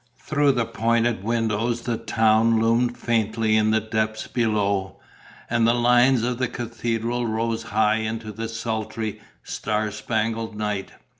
Through the pointed windows the town loomed faintly in the depths below; and the lines of the cathedral rose high into the sultry, star spangled night.